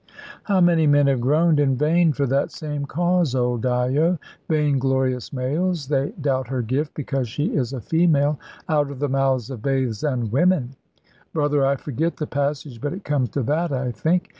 "How many men have groaned in vain for that same cause, old Dyo! Vainglorious males, they doubt her gift, because she is a female! Out of the mouths of babes and women brother, I forget the passage, but it comes to that, I think.